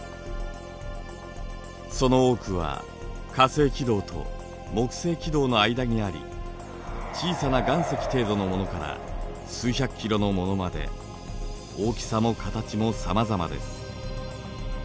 その多くは火星軌道と木星軌道の間にあり小さな岩石程度のものから数百キロのものまで大きさも形もさまざまです。